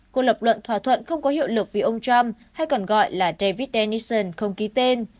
cô lập luận thỏa thuận không có hiệu lực vì ông trump hay còn gọi là david dennison không ký tên